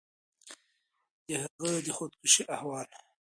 د هغه د خودکشي احوال